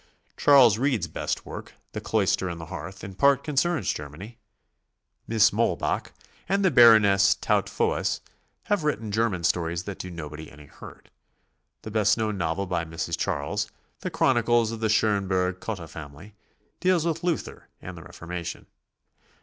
Charles Reade's best work, "The Cloister and the Hearth," in part concerns Germany, Miss Muhlbach and the Baroness Tautphoeus have written German stories that do nobody any hurt. The best known novel by Mrs. Charles, "The Chronicles of the Schonberg Cotta Family," deals with Luther and the Reformation.